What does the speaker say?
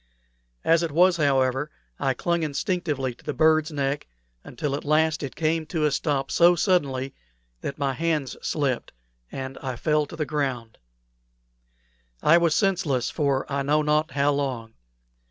As it was, however, I clung instinctively to the bird's neck, until at last it came to a stop so suddenly that my hands slipped, and I fell to the ground. I was senseless for I know not how long.